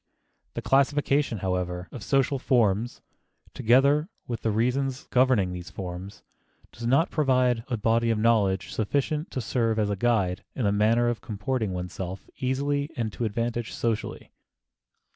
The classification, however, of social forms, together with the reasons governing these forms, does not provide a body of knowledge sufficient to serve as guide in the matter of comporting one's self easily and to advantage socially.